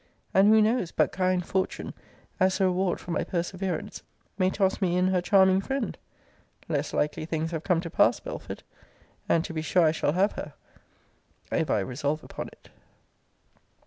And who knows, but kind fortune, as a reward for my perseverance, may toss me in her charming friend? Less likely things have come to pass, Belford. And to be sure I shall have her, if I resolve upon it.